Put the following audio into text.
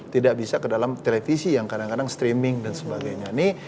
tidak bisa ke dalam televisi yang kadang kadang streaming dan sebagainya